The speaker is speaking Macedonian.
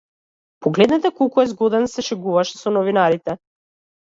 Погледнете колку е згоден, се шегуваше со новинарите.